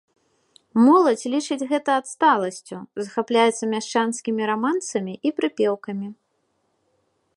Моладзь лічыць гэта адсталасцю, захапляецца мяшчанскімі рамансамі і прыпеўкамі.